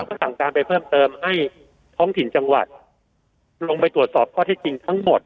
ก็สั่งการไปเพิ่มเติมให้ท้องถิ่นจังหวัดลงไปตรวจสอบข้อเท็จจริงทั้งหมด